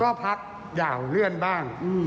ก็พักยาวเลื่อนบ้าง